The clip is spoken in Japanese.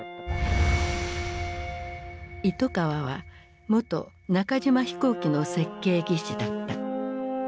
糸川は元中島飛行機の設計技師だった。